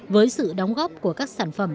với sự đóng góp của các sản phẩm